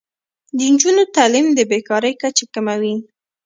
د نجونو تعلیم د بې کارۍ کچه کموي.